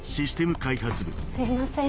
すいません。